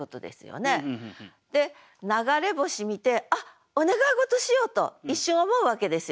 流れ星見て「あっお願い事しよう！」と一瞬思うわけですよ。